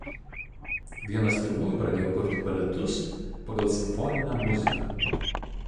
Vienas pirmųjų pradėjo kurti baletus pagal simfoninę muziką.